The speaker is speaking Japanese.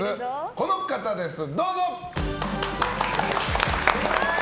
この方です、どうぞ！